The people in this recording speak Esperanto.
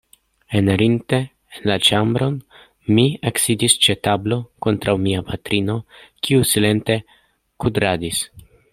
Enirinte en la ĉambron, mi eksidis ĉe tablo kontraŭ mia patrino, kiu silente kudradis.